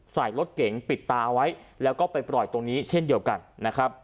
ใส่รถเก๋งปิดตาไว้แล้วก็ไปปล่อยตรงนี้เช่นเดียวกันนะครับ